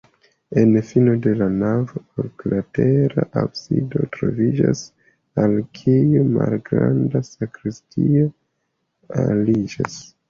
En fino de la navo oklatera absido troviĝas, al kiu malgranda sakristio aliĝas.